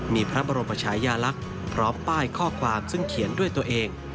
มีพระบรมชายาลักษณ์พร้อมป้ายข้อความซึ่งเขียนด้วยตัวเอง